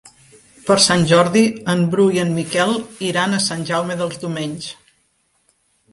Per Sant Jordi en Bru i en Miquel iran a Sant Jaume dels Domenys.